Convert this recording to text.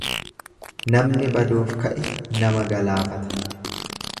Namni baduuf ka'e nama galaafata.